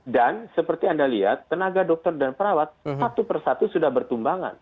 dan seperti anda lihat tenaga dokter dan perawat satu persatu sudah bertumbangan